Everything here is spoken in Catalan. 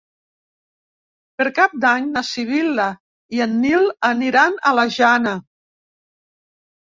Per Cap d'Any na Sibil·la i en Nil aniran a la Jana.